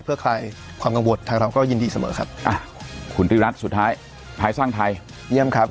เพื่อคลายความกังวลทางเราก็ยินดีเสมอครับอ่ะคุณวิรัติสุดท้ายไทยสร้างไทยเยี่ยมครับ